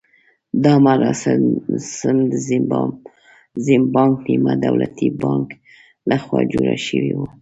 دا مراسم د زیمبانک نیمه دولتي بانک لخوا جوړ شوي وو.